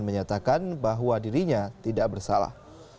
menyatakan bahwa dirinya tidak bersalah